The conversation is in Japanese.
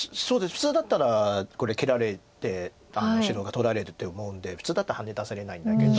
普通だったらこれ切られて白が取られると思うんで普通だったらハネ出されないんだけど。